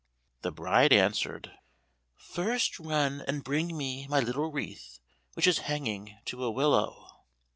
The bride answered, "First run and bring me my little wreath which is hanging to a willow."